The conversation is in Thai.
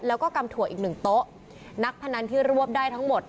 แล้วก็กำถั่วอีกหนึ่งโต๊ะนักพนันที่รวบได้ทั้งหมด